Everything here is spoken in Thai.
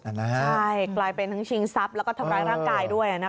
ใช่กลายเป็นทั้งชิงทรัพย์แล้วก็ทำร้ายร่างกายด้วย